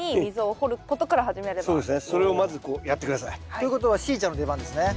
ということはしーちゃんの出番ですね。